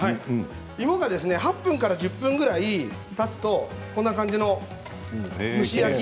芋が８分から１０分ぐらいたつとこんな感じの蒸し焼き。